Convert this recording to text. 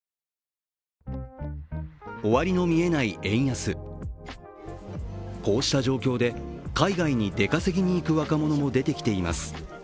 終わりの見えない円安、こうした状況で海外に出稼ぎに行く若者も出てきています。